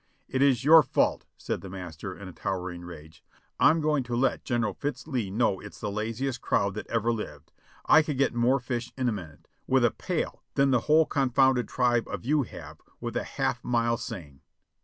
"It is your fault," said the master, in a towering rage. "I'm going to let General Fitz Lee know it's the laziest crowd that ever lived. I could get more fish in a minute, with a pail, than the whole confounded tribe of you have, with a half mile seine."